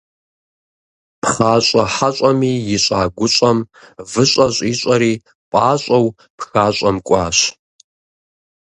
Пхъащӏэ хьэщӏэм ищӏа гущӏэм выщӏэ щӏищӏэри, пӏащӏэу пхащӏэм кӏуащ.